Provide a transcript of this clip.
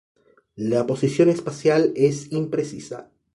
La posición espacial es imprecisa.